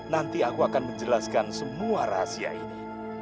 nanti aku akan menjelaskan semua rahasia ini